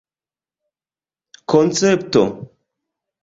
koncepto